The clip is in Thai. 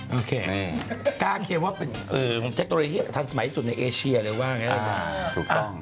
โอเคนี่กางเขียวว่าเป็นเอ่อเทคโนโลยีทันสมัยที่สุดในเอเชียเลยว่าอ่า